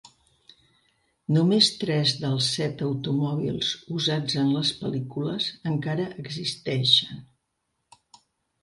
Només tres dels set automòbils usats en les pel·lícules encara existeixen.